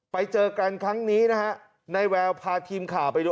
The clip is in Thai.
ไปเจอกันครั้งนี้นะฮะนายแววพาทีมข่าวไปดู